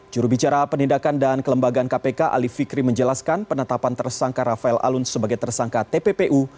jurubicara penindakan dan kelembagaan kpk ali fikri menjelaskan penetapan tersangka rafael alun sebagai tersangka tppu